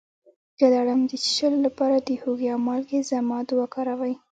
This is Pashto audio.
د لړم د چیچلو لپاره د هوږې او مالګې ضماد وکاروئ